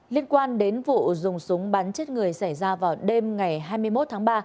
liên quan đến vụ dùng súng bắn chết người xảy ra vào đêm ngày hai mươi một tháng ba